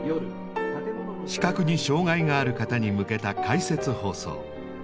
視覚に障害がある方に向けた「解説放送」。